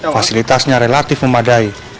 fasilitasnya relatif memadai